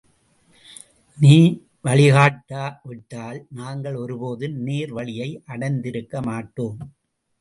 நீ வழி காட்டாவிட்டால், நாங்கள் ஒரு போதும் நேர் வழியை அடைந்திருக்க மாட்டோம்.